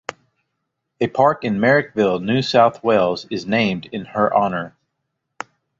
A park in Marrickville, New South Wales is named in her honour.